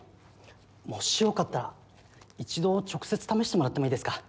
もしよかったら一度直接試してもらってもいいですか？